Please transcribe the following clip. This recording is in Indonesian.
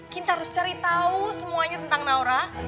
kita harus cari tahu semuanya tentang naura